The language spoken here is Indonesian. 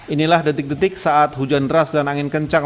inilah detik detik saat hujan deras dan angin kencang